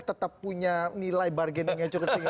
tetap punya nilai bargaining yang cukup tinggi